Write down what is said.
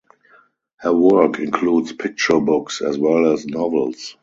Her work includes picture books as well as novels.